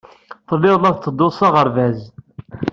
Telliḍ la tettedduḍ s aɣerbaz.